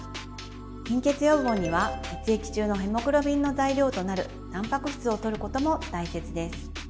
貧血予防には血液中のヘモグロビンの材料となるたんぱく質をとることも大切です。